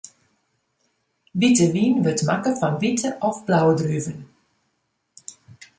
Wite wyn wurdt makke fan wite of fan blauwe druven.